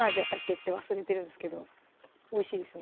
って忘れてるんですけどおいしいですよね